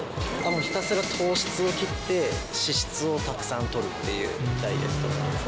ひたすら糖質を切って、脂質をたくさんとるっていうダイエットです。